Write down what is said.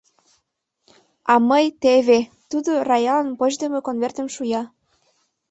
— А мый — теве! — тудо Раялан почдымо конвертым шуя.